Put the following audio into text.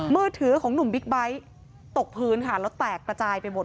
มือถือของหนุ่มบิ๊กไบท์ตกพื้นค่ะแล้วแตกระจายไปหมด